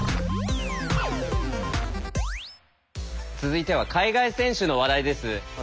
続いては海外選手の話題です。